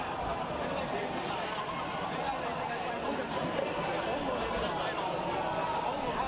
dan tadi ada kami sempat lakukan pembicaraan dengan konsul ekonomi kjri indonesia di hongkong bapak mandala soekarto burba